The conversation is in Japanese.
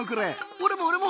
俺も俺も！